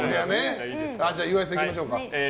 じゃあ、岩井さんいきましょうか。